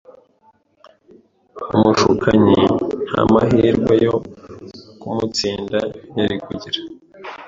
umushukanyi nta mahirwe yo kumutsinda yari kugira.